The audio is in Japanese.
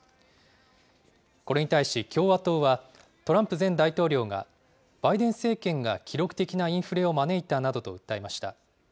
これに対し共和党は、トランプ前大統領が、バイデン政権が記録的なインフレを招いたなどと訴えました。